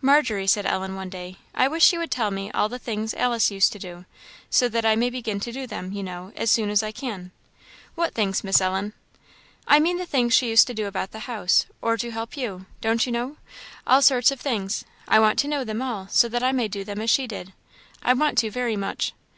"Margery," said Ellen, one day, "I wish you would tell me all the things Alice used to do; so that I may begin to do them, you know, as soon as I can." "What things, Miss Ellen?" "I mean the things she used to do about the house, or to help you don't you know? all sorts of things. I want to know them all, so that I may do them as she did. I want to very much."